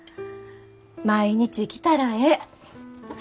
毎日来たらええ。